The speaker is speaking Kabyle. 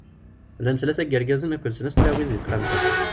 Llan tlata n yirgazen akked d snat n tlawin deg texxamt-a.